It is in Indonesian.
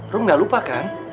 rom gak lupa kan